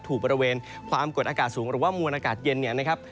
บริเวณความกดอากาศสูงหรือว่ามวลอากาศเย็นเนี่ยนะครับ